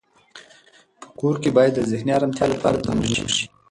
په کور کې باید د ذهني ارامتیا لپاره تمرین وشي.